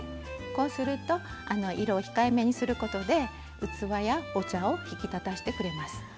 こうすると色を控えめにすることで器やお茶を引き立たしてくれます。